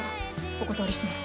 お断りします！